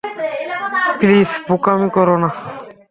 Please, বোকামি করো না।